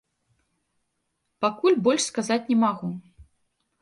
Пакуль больш сказаць не магу.